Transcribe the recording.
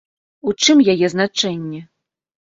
У чым яе значэнне?